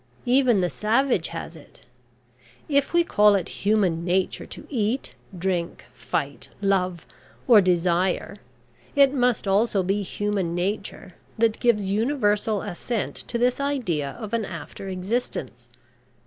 Even the savage has it. If we call it human nature to eat, drink, fight, love, or desire, it must also be human nature that gives universal assent to this idea of an after existence.